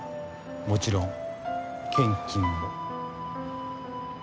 もちろん献金も。